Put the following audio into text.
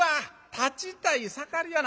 立ちたい盛りやな。